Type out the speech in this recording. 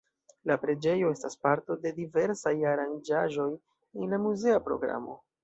La preĝejo estas parto de diversaj aranĝaĵoj en la muzeaj programoj.